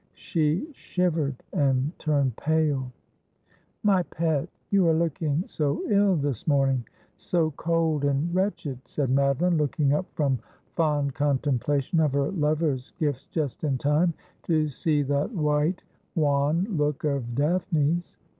She shivered and turned pale. ' My pet, you are looking so ill this morning, so cold and wretched,' said Madeline, looking up from fond contemplation of her lover's gifts just in time to see that white wan look of Daphne's.